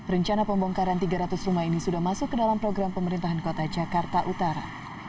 rencana pembongkaran tiga ratus rumah ini sudah masuk ke dalam program pemerintahan kota jakarta utara